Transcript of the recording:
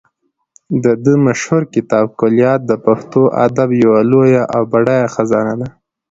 د ده مشهور کتاب کلیات د پښتو ادب یوه لویه او بډایه خزانه ده.